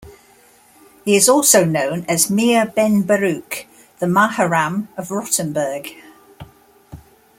He is also known as Meir ben Baruch, the Maharam of Rothenburg.